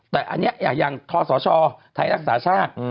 แต่อันเนี้ยอย่างท้อสชพทรทัยนักศาสตร์ชาติอืม